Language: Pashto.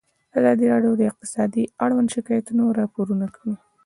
ازادي راډیو د اقتصاد اړوند شکایتونه راپور کړي.